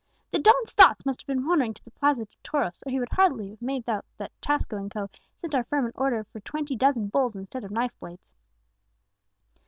"The don's thoughts must have been wandering to the Plaza de Toros, or he would scarcely have made out that Tasco and Co. sent our firm an order for twenty dozen bulls instead of knife blades."